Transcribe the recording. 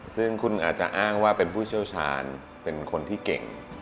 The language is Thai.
ซึ่งคุณอาจจะอ้างว่าเป็นผู้เชี่ยวชาญเป็นคนที่เก่ง